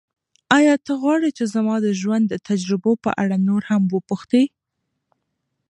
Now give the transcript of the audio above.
ایا ته غواړې چې زما د ژوند د تجربو په اړه نور هم وپوښتې؟